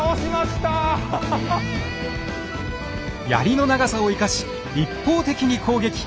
槍の長さを生かし一方的に攻撃。